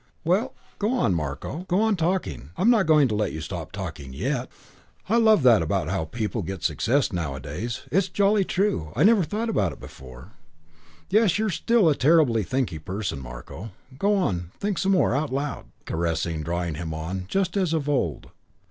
"Well, go on, Marko. Go on talking. I'm not going to let you stop talking yet. I love that about how people get success nowadays. It's jolly true. I never thought of it before. Yes, you're still a terribly thinky person, Marko. Go on. Think some more. Out loud." Caressing drawing him on just as of old.